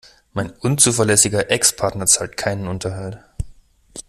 Mein unzuverlässiger Ex-Partner zahlt keinen Unterhalt.